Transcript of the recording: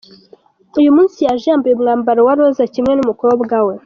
Uyu munsi yaje yambaye umwambaro wa roza kimwe n’umukobwa we